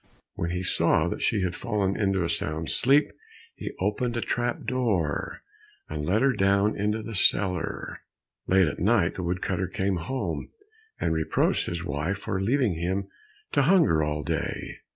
When he saw that she had fallen into a sound sleep, he opened a trap door, and let her down into the cellar. Late at night the wood cutter came home, and reproached his wife for leaving him to hunger all day.